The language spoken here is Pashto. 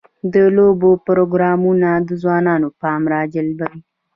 د لوبو پروګرامونه د ځوانانو پام راجلبوي.